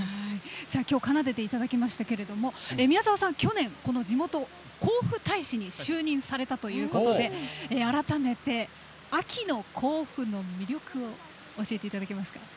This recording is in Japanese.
今日奏でていただきましたけれども宮沢さんはこの地元、甲府大使に就任されたということで改めて秋の甲府の魅力を教えていただけますか。